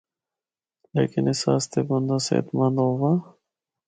لیکن اس آسطے بندہ صحت مند ہوّا۔